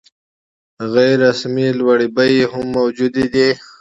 غیر رسمي لوړې بیې هم موجودې دي.